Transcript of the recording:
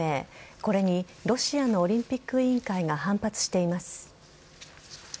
これにロシアのオリンピック委員会が反発しています。